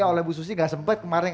oleh bu susi gak sempat kemarin